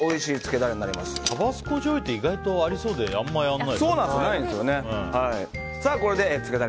タバスコじょうゆって意外とありそうであんまりない。